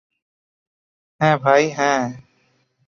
হ্যাঁ ভাই, হ্যাঁ!